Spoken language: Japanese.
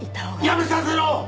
やめさせろ！